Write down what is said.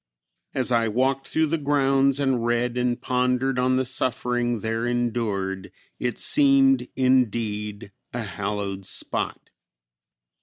As I walked through the grounds and read and pondered on the suffering there endured, it seemed, indeed, a hallowed spot.